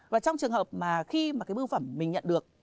và trong trường hợp khi bưu phẩm mình nhận được